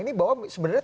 ini bahwa sebenarnya